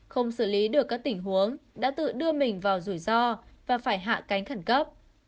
không xử lý được các tình huống đã tự đưa mình vào rủi ro và phải hạ cánh khẩn cấp